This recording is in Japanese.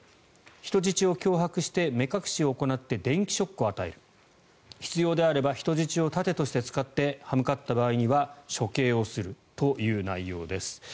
人質を脅迫して目隠しを行って電気ショックを与える必要であれば人質を盾として使って刃向かった場合には処刑をするという内容です。